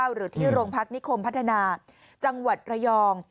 หรือที่โรงพักนิคมพัฒนาจังหวัดระยอง